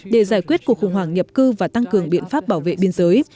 để giải quyết cuộc khủng hoảng nhập cư và tăng cường biện pháp bảo vệ biên giới